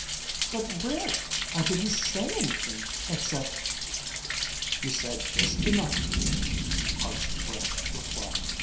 "But, Rick, I didn't say anything except...." "You said just enough, dear," Hartson Brant replied.